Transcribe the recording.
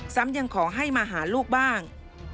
ยังขอให้มาหาลูกบ้าง